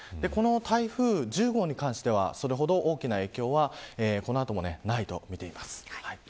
台風１０号に関してはそれほど大きな影響はこの後もないとみています。